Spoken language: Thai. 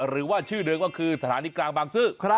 หรือว่าชื่อเดิมก็คือสถานีกลางบางซื่อ